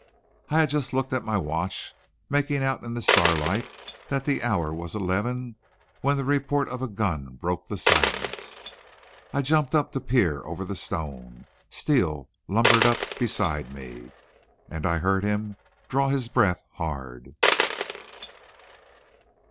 I had just looked at my watch, making out in the starlight that the hour was eleven, when the report of a gun broke the silence. I jumped up to peer over the stone. Steele lumbered up beside me, and I heard him draw his breath hard.